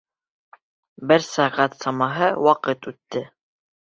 Бер сәғәт самаһы ваҡыт үтте.